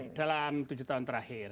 itu tidak terjadi dalam tujuh tahun terakhir